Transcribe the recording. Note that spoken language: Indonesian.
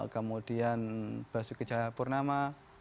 kemudian basuki kejahapurnama